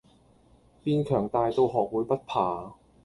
變強大到學會不怕